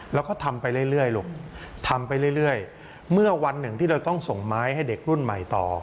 แล้วก็ทำไปเรื่อยลูกทำไปเรื่อยเมื่อวันหนึ่งที่เราต้องส่งไม้ให้เด็กรุ่นใหม่ต่อ